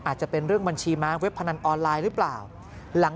อาจจะเป็นเรื่องบัญชีม้าเว็บพนันออนไลน์หรือเปล่า